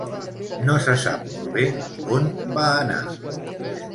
No se sap molt bé on va anar.